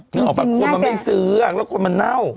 คงมันไม่ซื้ออ่ะควรมันเน่า